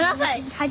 はい。